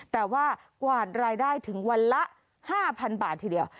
แต่ว่ากวาดรายได้ถึงวันละ๕๐๐๐บาททีเดียว